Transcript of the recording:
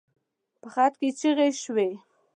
په خط کې چيغې شوې.